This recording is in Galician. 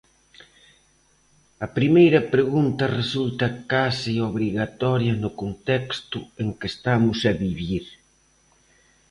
A primeira pregunta resulta case obrigatoria no contexto en que estamos a vivir.